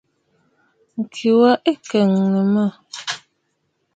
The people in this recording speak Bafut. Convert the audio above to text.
Ŋ̀ki wa ɨ kɛ̀ɛ̀nə̀ mə̂.